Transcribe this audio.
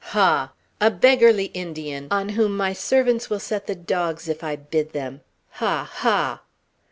Ha! a beggarly Indian, on whom my servants will set the dogs, if I bid them! Ha, ha!"